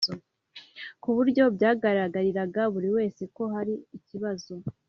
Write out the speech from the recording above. kuburyo byagaragariraga buri wesw ko hari ikibazo